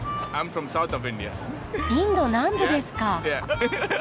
インド南部ですか。